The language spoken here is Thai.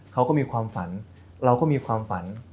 เขาก็มีความฝันเราก็มีความฝัน